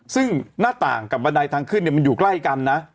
ซึ่งหน้าต่างกับบันไดทางขึ้นมันอยู่ใกล้กันนะ